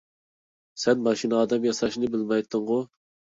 سەن ماشىنا ئادەم ياساشنى بىلمەيتتىڭغۇ؟